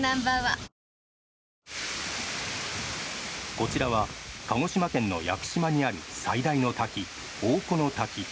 こちらは鹿児島県の屋久島にある最大の滝大川の滝。